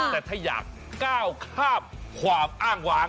แต่ถ้าอยากก้าวข้ามความอ้างวาง